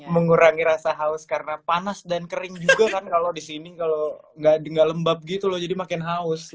mengurangi rasa haus karena panas dan kering juga kan kalau di sini kalau nggak lembab gitu loh jadi makin haus